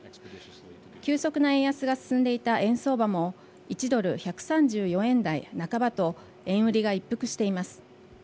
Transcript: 急速な円安が進んでいた円相場も１ドル１３４円台半ばと円売りが一服しています。